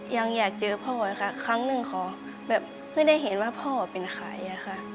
อยากเจอพ่อค่ะครั้งหนึ่งขอแบบไม่ได้เห็นว่าพ่อเป็นใครอะค่ะ